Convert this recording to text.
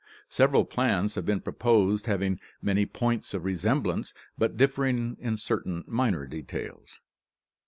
Several plans have been proposed having many points of resemblance but differing in certain minor details.